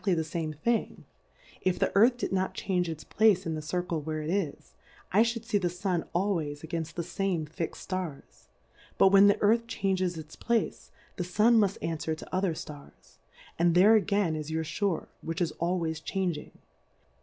1$ exaflly the fame Thing ; if the Earth did not change its place in the Circle where it is, I Ihould fee the Sun always againft the fame fixM Stars ; but when, the Earth changes its place, the Sun muft anfwer to other Stars, and there again is your Shore which is always changing.